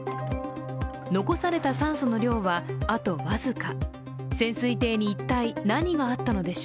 残された酸素の量は、あと僅か。